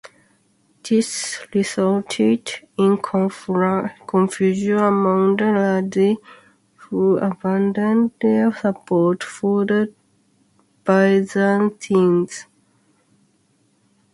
This resulted in confusion among the Lazi who abandoned their support for the Byzantines.